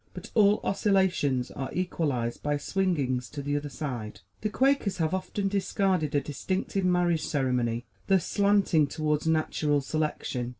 But all oscillations are equalized by swingings to the other side. The Quakers have often discarded a distinctive marriage ceremony, thus slanting toward natural selection.